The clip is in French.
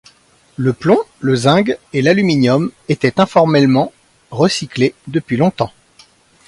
Le plomb, le zinc et l'aluminium étaient informellement recyclés depuis longtemps.